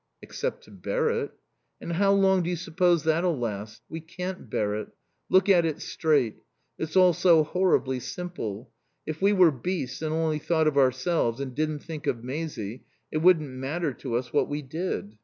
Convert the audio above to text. "Except to bear it." "And how long do you suppose that'll last? We can't bear it. Look at it straight. It's all so horribly simple. If we were beasts and only thought of ourselves and didn't think of Maisie it wouldn't matter to us what we did.